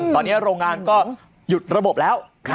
ตอนนี้โรงงานก็หยุดระบบแล้ว